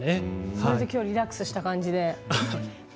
それできょうはリラックスした感じで？